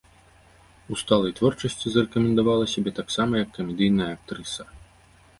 У сталай творчасці зарэкамендавала сябе таксама як камедыйная актрыса.